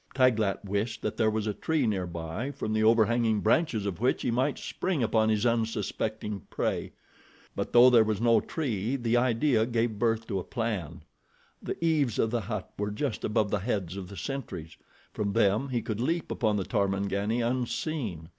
Taglat wished that there was a tree nearby from the over hanging branches of which he might spring upon his unsuspecting prey; but, though there was no tree, the idea gave birth to a plan. The eaves of the hut were just above the heads of the sentries—from them he could leap upon the Tarmangani, unseen.